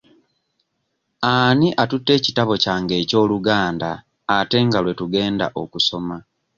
Ani atutte ekitabo kyange eky'Oluganda ate nga lwe tugenda okusoma?